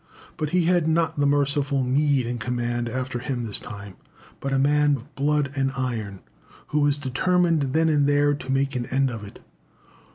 But he had not the merciful Meade in command after him this time, but a man of blood and iron, "who was determined then and there to make an end of it."